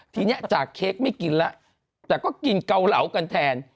ทีนี้จากเค้กไม่กินแล้วแต่ก็กินเกาเหลากันแทน